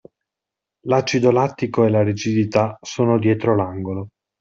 L’acido lattico e la rigidità sono dietro l’angolo.